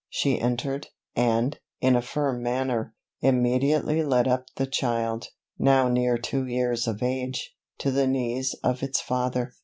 She entered; and, in a firm manner, immediately led up the child, now near two years of age, to the knees of its father.